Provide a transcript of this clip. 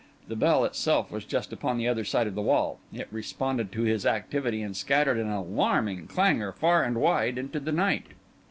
The bell itself was just upon the other side of the wall, it responded to his activity, and scattered an alarming clangour far and wide into the night.